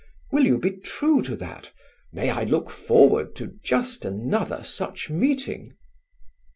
Will you be true to that? May I look forward to just another such meeting?"